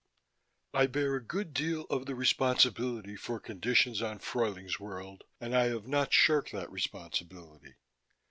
I bear a good deal of the responsibility for conditions on Fruyling's World, and I have not shirked that responsibility.